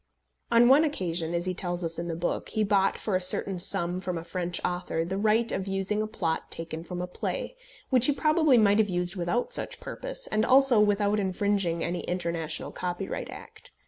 On one occasion, as he tells us in this book, he bought for a certain sum from a French author the right of using a plot taken from a play, which he probably might have used without such purchase, and also without infringing any international copyright act.